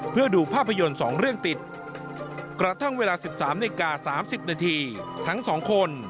เพื่อดูภาพยนตร์๒เรื่องติดกระทั่งเวลา๑๓นาฬิกา๓๐นาทีทั้งสองคน